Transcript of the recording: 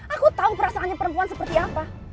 aku tahu perasaannya perempuan seperti apa